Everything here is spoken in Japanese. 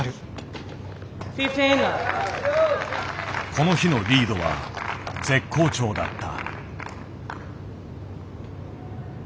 この日のリードは絶好調だった。